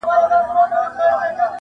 • پر شب پرستو بدلګېږم ځکه..